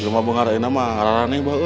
gak mau pengarahin apa apa ngarah ngarah nih pak